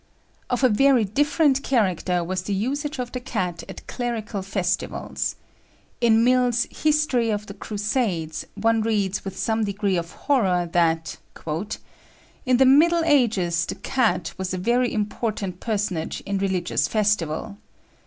Of a very different character was the usage of the cat at clerical festivals. In Mill's "History of the Crusades," one reads with some degree of horror that "In the Middle Ages the cat was a very important personage in religious festivals.